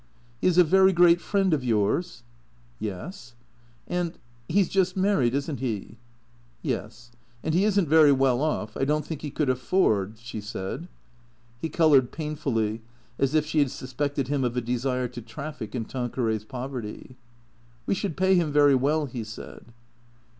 " He is a very great friend of yours ?"" Yes." " And — he 's just married, is n't he ?"" Yes. And he is n't very well off. I don't think he could afford " she said. He coloured painfully as if she had suspected him of a desire to traffic in Tanquoray's poverty. " We should pay him very well," he said.